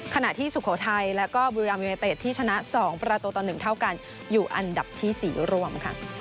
ขณะที่สุโขทัยแล้วก็บุรีอัมเมียเตชที่ชนะ๒ประตูต่อ๑เท่ากันอยู่อันดับที่๔ร่วม